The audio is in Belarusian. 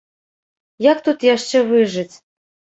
Як тут яшчэ выжыць?